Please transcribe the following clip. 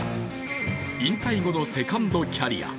引退後のセカンドキャリア。